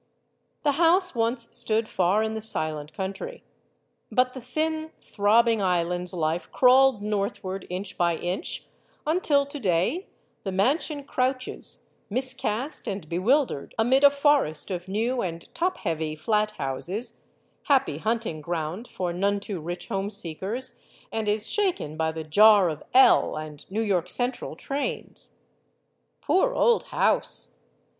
The house once stood far in the silent country. But the thin, throbbing island's life crawled northward 90 STORIES OF THE SUPER WOMEN inch by inch, until to day the mansion crouches, mis cast and bewildered, amid a forest of new and top heavy flat houses happy hunting ground for none too rich homeseekers and is shaken by the jar of "L" and New York Central trains. Poor old house!